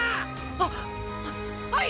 あっははい！！